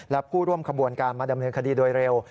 และผู้ร่วมขบวนการมาดำเนินคดีโดยเร็ว